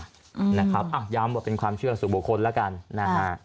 ย้ำว่าเป็นความเชื่อสุโบคคลละกัน